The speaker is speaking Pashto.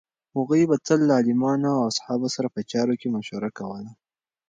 هغوی به تل له عالمانو او اصحابو سره په چارو کې مشوره کوله.